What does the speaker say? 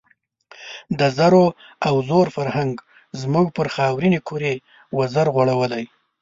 د زرو او زور فرهنګ زموږ پر خاورینې کُرې وزر غوړولی.